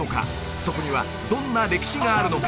そこにはどんな歴史があるのか？